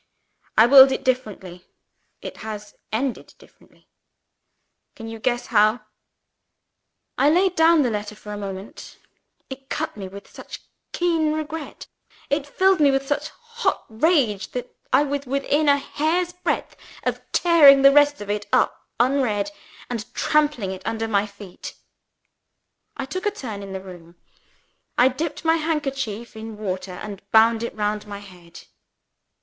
I willed it differently. It has ended differently. Can you guess how?" I laid down the letter for a moment. It cut me with such keen regret; it fired me with such hot rage that I was within a hairsbreadth of tearing the rest of it up unread, and trampling it under my feet. I took a turn in the room. I dipped my handkerchief in water, and bound it round my head.